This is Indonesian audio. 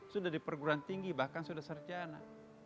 sudah di perguruan tinggi bahkan sudah sarjana